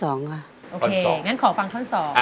โอเคอย่างนั้นขอฟังท่อน๒